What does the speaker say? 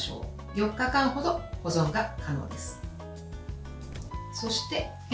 ４日間ほど保存が可能です。